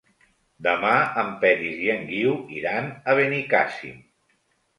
Demà en Peris i en Guiu iran a Benicàssim.